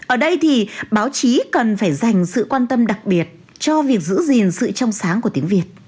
ở đây thì báo chí cần phải dành sự quan tâm đặc biệt cho việc giữ gìn sự trong sáng của tiếng việt